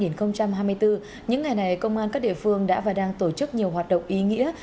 năm hai nghìn hai mươi bốn những ngày này công an các địa phương đã và đang tổ chức nhiều hoạt động ý nghĩa